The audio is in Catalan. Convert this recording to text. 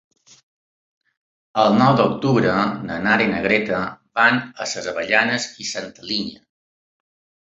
El nou d'octubre na Nara i na Greta van a les Avellanes i Santa Linya.